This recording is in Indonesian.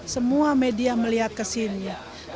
semua media melihat ke sini